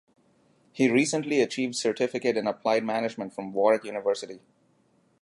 He recently achieved Certificate in Applied Management from Warwick University.